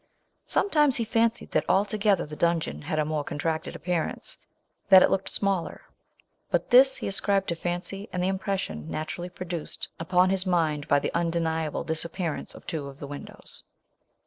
Sometimes he fancied that altogether the dungeon had a more contracted appearance — that it looked smaller; but this he ascribed to fancy, and the impression naturally produced upon 1830.] The Iron his mind by the undeniable disap pearance of two of the windows.